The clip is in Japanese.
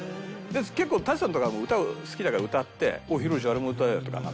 結構舘さんとかも歌好きだから歌って「おいひろしあれも歌えよ」とかなんとかって渡さん。